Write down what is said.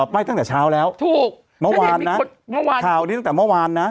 ไหม้ตั้งแต่เช้าแล้วถูกเมื่อวานนะเมื่อวานข่าวนี้ตั้งแต่เมื่อวานนะ